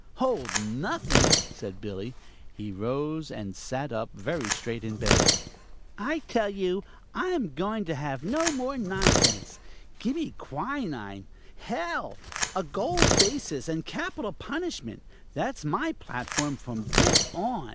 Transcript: "Hold nothin'!" said Billy. He arose and sat up very straight in the bed. "I tell you I am goin' to have no more nonsense. Gimme quinine, hell, a gold basis, and capital punishment! That's my platform from this on.